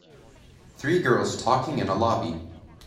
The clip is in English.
Three girls talking in a lobby.